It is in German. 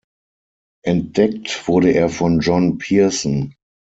Entdeckt wurde er von John Pierson.